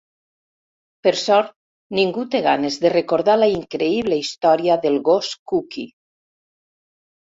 Per sort, ningú té ganes de recordar la increïble història del gos Kuki.